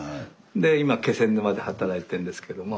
で今気仙沼で働いてるんですけども。